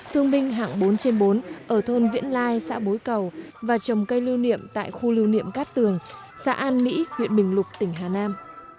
thương binh hạng bốn trên bốn ở thôn viễn lai xã bối cầu và trồng cây lưu niệm tại khu lưu niệm cát tường xã an mỹ huyện bình lục tỉnh hà nam